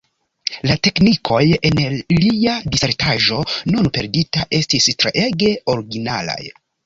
La teknikoj en lia disertaĵo, nun perdita, estis treege originalaj.